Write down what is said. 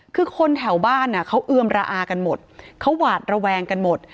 คือคนแถวบ้านเขาเอือมระอากันหมดเขาหวาดระแวงกันหมด